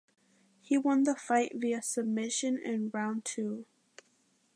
He won the fight via submission in round two.